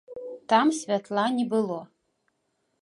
Там святла не было.